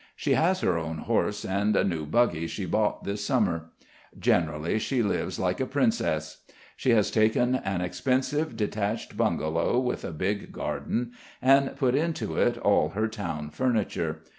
She has her own horse and a new buggy she bought this summer. Generally she lives like a princess. She has taken an expensive detached bungalow with a big garden, and put into it all her town furniture.